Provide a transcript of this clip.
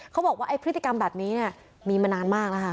เขาบอกว่าพฤติกรรมแบบนี้เนี่ย